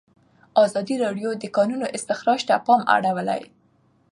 ازادي راډیو د د کانونو استخراج ته پام اړولی.